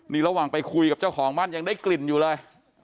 นี่ระหว่างไปคุยกับเจ้าของบ้านยังได้กลิ่นอยู่เลย